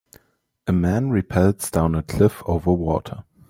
A man repels down a cliff over water